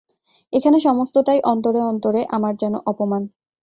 এখানে সমস্তটাই অন্তরে অন্তরে আমার যেন অপমান।